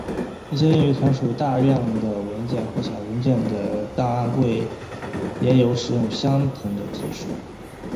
一些用于储存大量的文件或小零件的档案柜也有使用相同的技术。